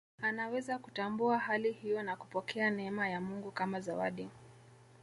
Anaweza kutambua hali hiyo na kupokea neema ya Mungu kama zawadi